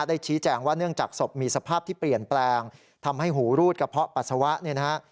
ชี้แจงว่าเนื่องจากศพมีสภาพที่เปลี่ยนแปลงทำให้หูรูดกระเพาะปัสสาวะเนี่ยนะฮะ